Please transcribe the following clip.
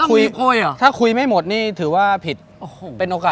ขอบคุณครับครับ